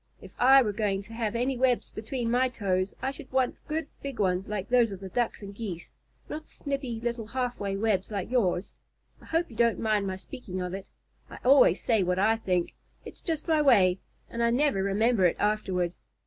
If I were going to have any webs between my toes I should want good big ones like those of the Ducks and Geese, not snippy little halfway webs like yours. I hope you don't mind my speaking of it. I always say what I think. It's just my way, and I never remember it afterward."